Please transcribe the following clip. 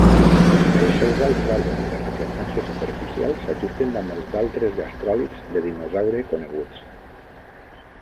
Els seus alts valors de reflectància superficial s'ajusten amb els d'altres gastròlits de dinosaure coneguts.